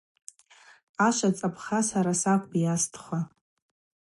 Ашв ацӏапха сара сакӏвпӏ йазтхуа.